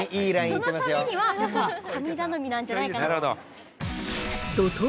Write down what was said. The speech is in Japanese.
そのためには、神頼みなんじゃないかなと。